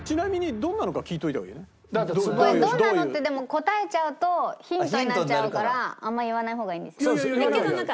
どんなのってでも答えちゃうとヒントになっちゃうからあんまり言わない方がいいんですか？